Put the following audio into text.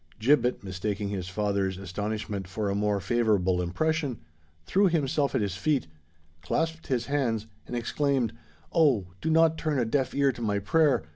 Gibbet, mistaking his father's astonishment for a more favourable impression, threw himself at his feet, clasped his hands, and exclaimed, "Oh! do not turn a deaf ear to my prayer!